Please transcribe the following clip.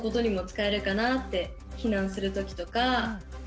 避難する時とか。